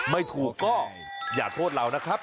ไม่ถูกก็อย่าโทษเรานะครับ